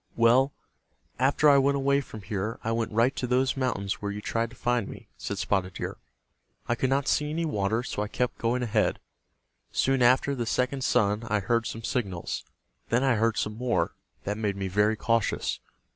"Well, after I went away from here I went right to those mountains where you tried to find me," said Spotted Deer. "I could not see any water so I kept going ahead. Soon after the second sun I heard some signals. Then I heard some more. That made me very cautious.